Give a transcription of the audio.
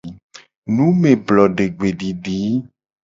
Numeblodegbedidi.